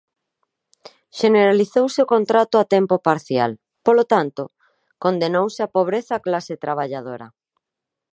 Xeneralizouse o contrato a tempo parcial; polo tanto, condenouse á pobreza a clase traballadora.